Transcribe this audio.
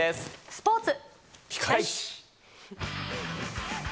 スポーツ。